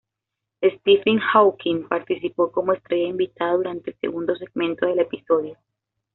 Stephen Hawking participó como estrella invitada durante el segundo segmento del episodio.